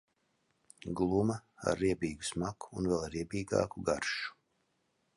Gluma, ar riebīgu smaku un vēl riebīgāku garšu.